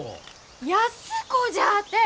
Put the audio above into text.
安子じゃあてえ！